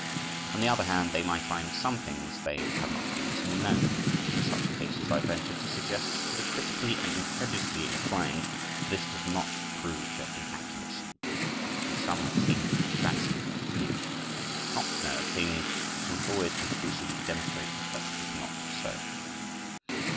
On the other hand, they may find some things they have not previously known. In such cases I venture to suggest to the critically and incredulously inclined, that this does not prove their inaccuracy, though some have seemed to fancy that it did. Not to know a thing does not always conclusively demonstrate that it is not so.